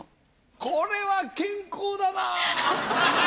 これは健康だなぁ。